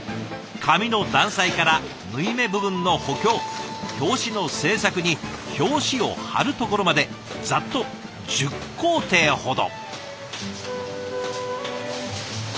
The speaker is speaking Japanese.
紙の断裁から縫い目部分の補強表紙の製作に表紙を貼るところまでざっと１０工程ほど。